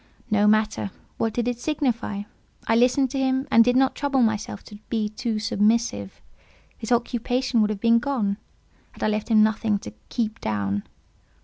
No matter; what did it signify? I listened to him, and did not trouble myself to be too submissive; his occupation would have been gone had I left him nothing to "keep down."